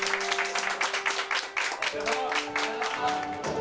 お疲れさま！